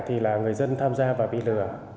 thì là người dân tham gia và bị lừa